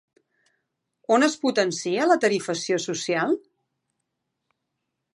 On es potencia la tarifació social?